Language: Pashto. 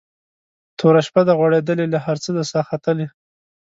توره شپه ده غوړېدلې له هر څه ده ساه ختلې